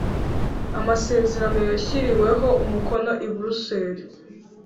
Amasezerano yashyiriweho umukono i buruseli